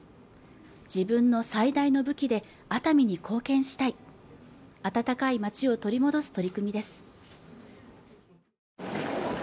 自分の最大の武器で熱海に貢献したい温かい街を取り戻す取り組みです